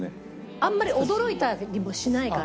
あんまり驚いたりもしないから。